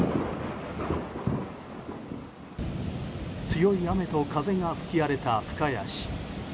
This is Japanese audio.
強い雨と風が吹き荒れた深谷市。